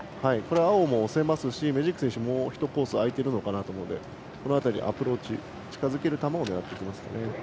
青も押せますしメジーク選手も１コース空いているのでアプローチで近づける球を狙ってきますね。